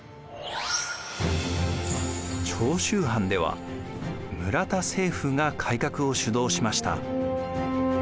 長州藩では村田清風が改革を主導しました。